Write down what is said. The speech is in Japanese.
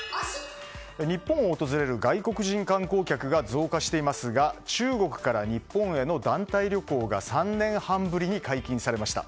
日本を訪れる外国人観光客が増加していますが中国から日本への団体旅行が３年半ぶりに解禁されました。